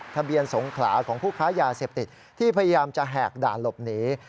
สงขลาของผู้ค้ายาเสพติดที่พยายามจะแหกด่านหลบหนี